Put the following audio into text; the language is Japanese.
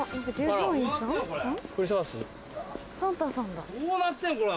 どうなってんの？